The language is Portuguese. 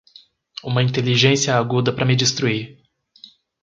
Uma inteligência aguda para me destruir